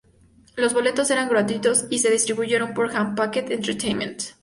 Los boletos eran gratuitos y se distribuyeron por Jam Packed Entertainment.